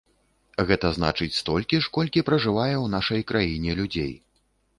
Гэта значыць столькі ж, колькі пражывае ў нашай краіне людзей.